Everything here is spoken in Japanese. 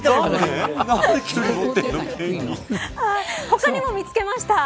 他にも見つけました。